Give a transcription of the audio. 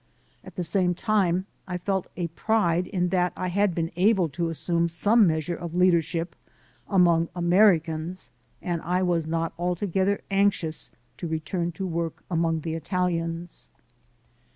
At the same time, I felt a pride in that I had been able to assume some measure of leadership among Americans and I was not altogether anxious to return to work among the Italians.